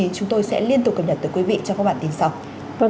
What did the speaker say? chúng tôi sẽ liên tục cập nhật tới quý vị trong các bản tin sau